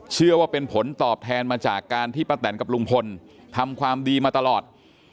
เชื่อว่าเป็นผลตอบแทนมาจากการที่ป้าแตนกับลุงพลทำความดีมาตลอด